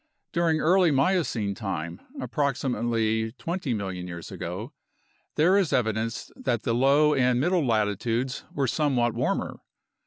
During early Miocene time (approximately 20 million years ago) there is evidence that the low and middle latitudes were somewhat warmer.